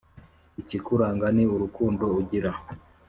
ikikuranga ni urukundo ugira